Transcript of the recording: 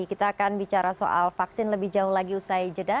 kita akan bicara soal vaksin lebih jauh lagi usai jeda